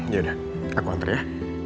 ya udah aku antar ya